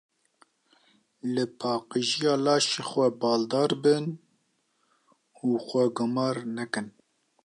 Li Paqijiya laşê xwe baldar bin û xwe gemar nekin.